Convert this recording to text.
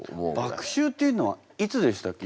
「麦秋」っていうのはいつでしたっけ？